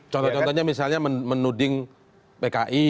contoh contohnya misalnya menuding pki